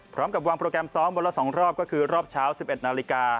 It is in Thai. พร้อมกับวางโปรแกรมซ้อมบนละสองรอบก็คือรอบเช้าสิบเอ็ดนาฬิกา